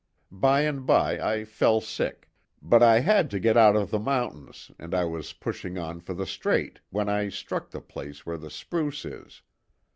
By and by I fell sick; but I had to get out of the mountains, and I was pushing on for the Strait when I struck the place where the spruce is.